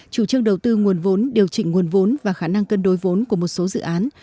chủ trương đầu tư nguồn vốn điều chỉnh nguồn vốn và khả năng cân đối vốn của một số dự án